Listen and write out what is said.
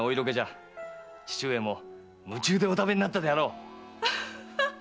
父上も夢中でお食べになったであろう。